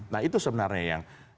nah itu sebenarnya yang